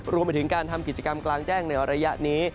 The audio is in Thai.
รวมไปถึงการทำกิจกรรมกลางแจ้งในระยะนี้